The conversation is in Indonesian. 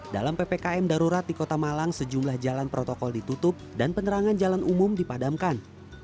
dalam ppkm darurat di kota malang sejumlah jalan protokol ditutup dan penerangan jalan umum dipadamkan